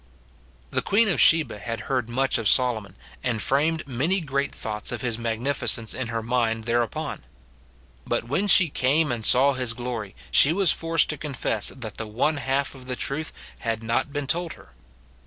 The queen of Sheba had heard much of Solomon, and framed many great thoughts of his magnificence in her mind thereupon ; but when she came and saw his glory, she was forced to confess that the one half of the truth had not been told her.